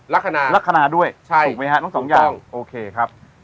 ลักษณะลักษณะด้วยถูกไหมฮะทั้งสองอย่างโอเคครับ